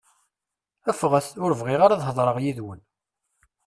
Ffɣet! Ur bɣiɣ ara ad heḍṛeɣ yid-wen!